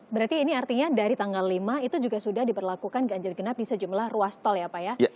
berarti ini artinya dari tanggal lima itu juga sudah diperlakukan ganjil genap di sejumlah ruas tol ya pak ya